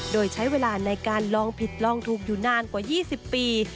โดยใช้เวลาในการลองผิดลองถูกอยู่นานกว่า๒๐ปี